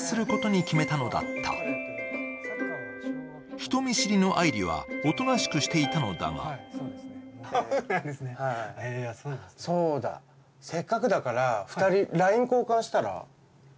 人見知りの愛梨はおとなしくしていたのだがそうだ、せっかくだから２人ＬＩＮＥ交換したら？